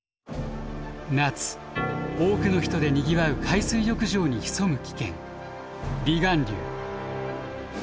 夏多くの人でにぎわう海水浴場に潜む危険離岸流。